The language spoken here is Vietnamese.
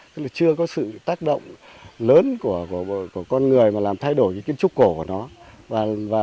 tức là chưa có sự tác động lớn của con người mà làm thay đổi những kiến trúc cổ của nó